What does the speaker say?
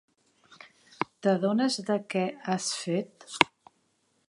T'adones de què has fet?